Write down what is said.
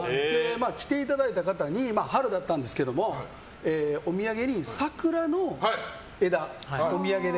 来ていただいた方に春だったんですけどお土産に桜の枝。